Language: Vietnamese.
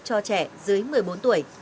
cho trẻ dưới một mươi bốn tuổi